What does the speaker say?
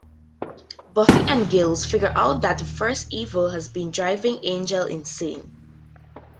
Buffy and Giles figure out that the First Evil has been driving Angel insane.